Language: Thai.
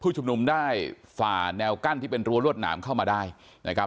ชุมนุมได้ฝ่าแนวกั้นที่เป็นรั้วรวดหนามเข้ามาได้นะครับ